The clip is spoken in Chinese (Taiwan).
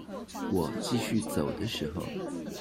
我繼續走的時候